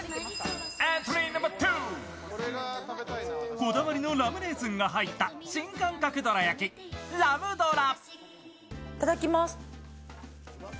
こだわりのラムレーズンが入った新感覚どら焼き・ラムドラ。